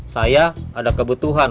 saya ada kebutuhan